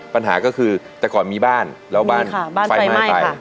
ปัญหาก็คือแต่ก่อนมีบ้านแล้วบ้านไฟไหม้ไป